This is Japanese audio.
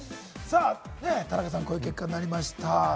田中さん、こういう結果になりました。